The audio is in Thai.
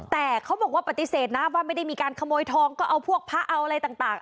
แต่เขาบอกว่าปฏิเสธนะว่าไม่ได้มีการขโมยทองก็เอาพวกพระเอาอะไรต่าง